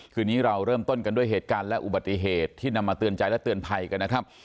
คืนนี้เราเริ่มต้นกันด้วยเหตุการณ์และอุบัติเหตุที่นำมาเตือนใจและเตือนภัยกันนะครับ